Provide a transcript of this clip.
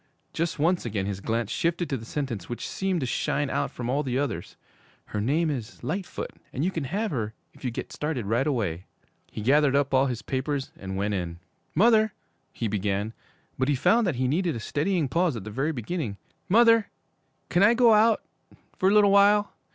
Just once again his glance shifted to the sentence which seemed to shine out from all the others. 'Her name is "Lightfoot," and you can have her if you get started right away.' He gathered up all his papers and went in. 'Mother ' he began; but he found that he needed a steadying pause at the very beginning. 'Mother can I go out for a little while?